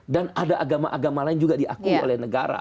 dan ada agama agama lain juga diakui oleh negara